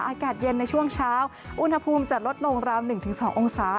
อากาศเย็นในช่วงเช้าอุณหภูมิจะลดลงราว๑๒องศา